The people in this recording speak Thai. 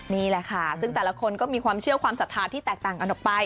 นี่แหละค่ะซึ่งแต่ละคนก็มีความเชื่อความศรัทธาที่แตกต่างกันออกไป